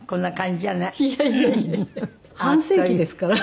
半世紀ですから。